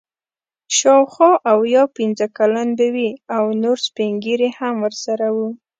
شاوخوا اویا پنځه کلن به وي او نور سپین ږیري هم ورسره وو.